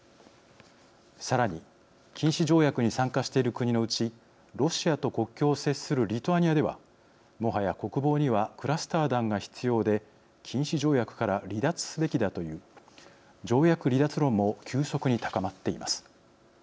さらに禁止条約に参加している国のうちロシアと国境を接するリトアニアではもはや国防にはクラスター弾が必要で禁止条約から離脱すべきだという条約離脱論も急速に高まっています。